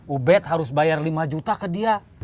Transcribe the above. ubed harus bayar lima juta ke dia